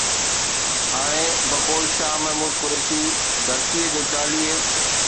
هاڻ بقول شاهه محمود قريشي، ڌرڻي جو چاليهه